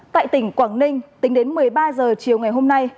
tại tỉnh quảng ninh tính đến một mươi ba h chiều ngày hôm nay